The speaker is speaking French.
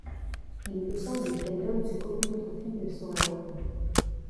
Il me semble qu'elle donne ce qu'aucune autre fille ne saurait offrir.